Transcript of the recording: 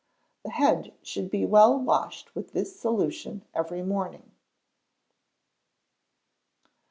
The head should be well washed with this solution every morning.